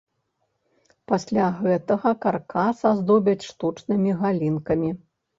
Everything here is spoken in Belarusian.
Пасля гэтага каркас аздобяць штучнымі галінкамі.